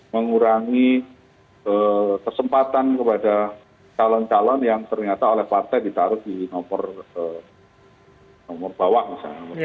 mengurangi kesempatan kepada calon calon yang ternyata oleh partai ditaruh di nomor bawah misalnya